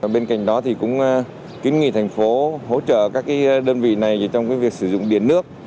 bên cạnh đó cũng kiến nghị thành phố hỗ trợ các đơn vị này trong việc sử dụng điện nước